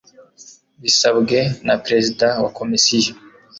bisabwe na perezida wa komosiyo